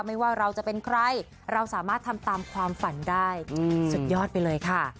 ไม่ว่าเราจะเป็นใครเราสามารถทำตามความฝันได้สุดยอดไปเลยค่ะ